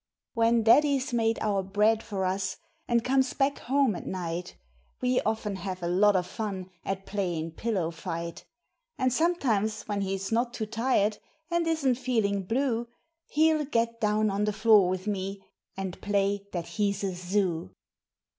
When daddy's made our bread for us, and comes back home at night, We often have a lot of fun at playing pillow fight; And sometimes when he's not too tired, and isn't feeling blue, He'll get down on the floor with me, and play that he's a zoo.